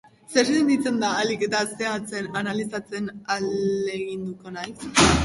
Zer sentitzen den ahalik eta zehatzen analizatzen ahaleginduko naiz.